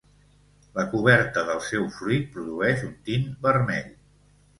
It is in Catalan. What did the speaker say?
La coberta del seu fruit produeix un tint vermell.